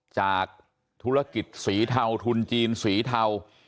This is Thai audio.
จากธุรกิจสีเทาทุนจีนสีเทา